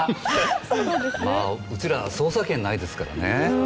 うちらは捜査権がないですからね。